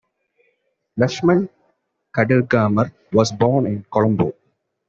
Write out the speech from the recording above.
Lakshman Kadirgamar was born in Colombo.